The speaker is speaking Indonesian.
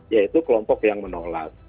yaitu kelompok yang menolak